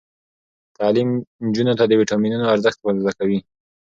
تعلیم نجونو ته د ویټامینونو ارزښت ور زده کوي.